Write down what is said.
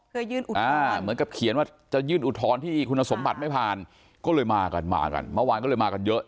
เพื่อยื่นอุทธรณ์เหมือนกับเขียนว่าจะยื่นอุทธรณ์ที่คุณสมบัติไม่ผ่านก็เลยมากันมากันเมื่อวานก็เลยมากันเยอะ